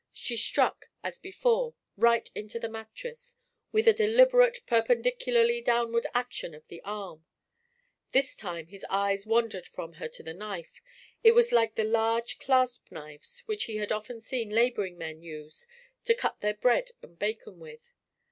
She struck, as before, right into the mattress, with a deliberate, perpendicularly downward action of the arm. This time his eyes wandered from her to the knife. It was like the large clasp knives which he had often seen laboring men use to cut their bread and bacon with.